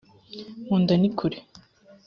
munda nikure.